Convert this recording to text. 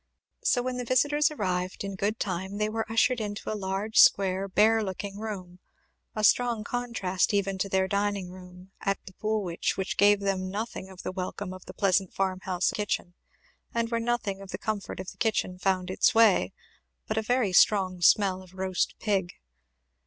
So when the visitors arrived, in good time, they were ushered into a large square bare looking room a strong contrast even to their dining room at the Poolwhich gave them nothing of the welcome of the pleasant farmhouse kitchen, and where nothing of the comfort of the kitchen found its way but a very strong smell of roast pig.